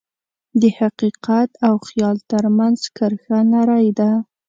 د حقیقت او خیال ترمنځ کرښه نری ده.